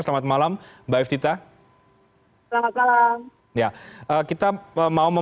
selamat malam mbak iftita